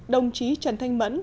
đồng chí trần thanh mẫn